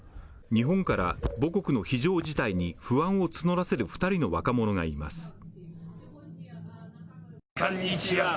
日本から母国の非常事態に不安を募らせる２人の若者がいます。